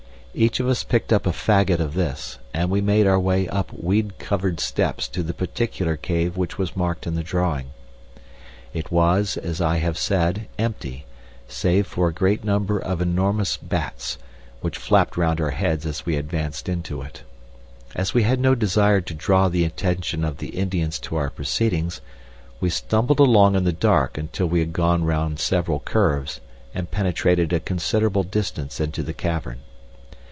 Each of us picked up a faggot of this, and we made our way up weed covered steps to the particular cave which was marked in the drawing. It was, as I had said, empty, save for a great number of enormous bats, which flapped round our heads as we advanced into it. As we had no desire to draw the attention of the Indians to our proceedings, we stumbled along in the dark until we had gone round several curves and penetrated a considerable distance into the cavern.